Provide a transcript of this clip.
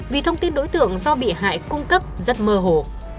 vì thông tin đối tượng do bị hại cung cấp rất mơ hồ